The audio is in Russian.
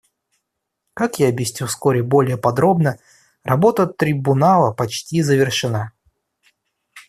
Как я объясню вскоре более подробно, работа Трибунала почти завершена.